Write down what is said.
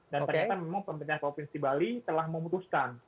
dan ternyata memang pemerintah provinsi bali telah memutuskan